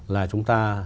là chúng ta